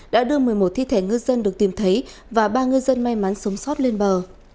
đã đưa một mươi một thi thể ngư dân được tìm thấy và ba ngư dân may mắn sống sót lên bờ